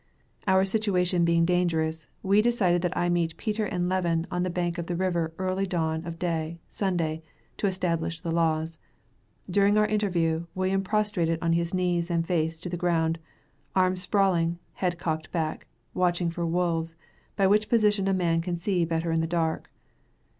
Our situation being dangerous, we decided that I meet Peter and Levin on the bank of the river early dawn of day, Sunday, to establish the laws. During our interview, William prostrated on his knees, and face to the ground; arms sprawling; head cocked back, watching for wolves, by which position a man can see better in the dark.